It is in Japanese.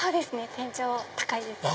天井高いです。